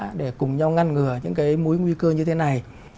động vật hoang dã để cùng nhau ngăn ngừa những mối nguy cơ như thế này